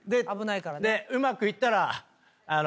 うまくいったら。